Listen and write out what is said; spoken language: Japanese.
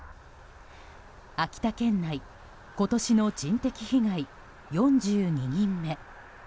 秋田県内今年の人的被害４２人目。